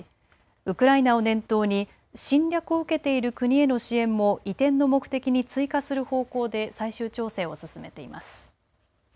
ウクライナを念頭に侵略を受けている国への支援も移転の目的に追加する方向で最終調整を進めています。